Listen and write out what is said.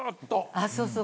ああそうそう。